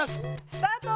スタート！